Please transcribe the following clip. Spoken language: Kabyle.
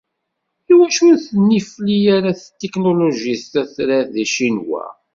Iwacu ur tennefli ara tetiknulujit tatrart deg Ccinwa?